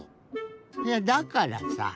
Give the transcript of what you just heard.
いやだからさ